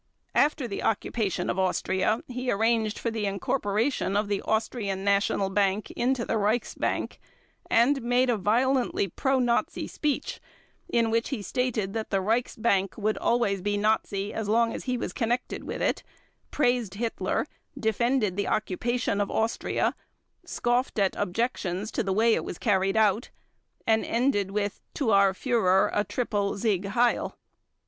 After the occupation of Austria he arranged for the incorporation of the Austrian National Bank into the Reichsbank and made a violently pro Nazi speech in which he stated that the Reichsbank would always be Nazi as long as he was connected with it, praised Hitler, defended the occupation of Austria, scoffed at objections to the way it was carried out, and ended with "to our Führer a triple 'Sieg Heil'."